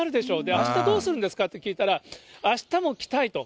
あしたどうするんですか？と聞いたら、あしたも来たいと。